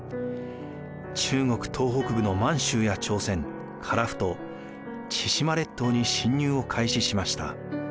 中国東北部の満州や朝鮮樺太千島列島に進入を開始しました。